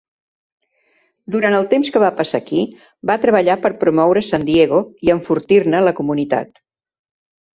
Durant el temps que va passar aquí, va treballar per promoure San Diego i enfortir-ne la comunitat.